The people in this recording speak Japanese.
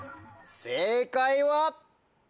正解は？